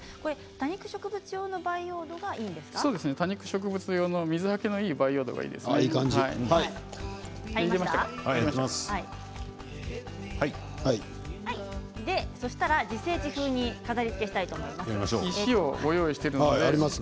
多肉植物用の水はけがいい培養土がいいですね。